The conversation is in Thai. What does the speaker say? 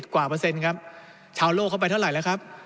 เปอร์เซ็นต์ครับชาวโลกเข้าไปเท่าไหร่แล้วครับ